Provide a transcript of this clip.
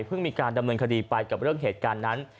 มีการดำเนินคดีไปกับเรื่องเหตุการณ์นั้น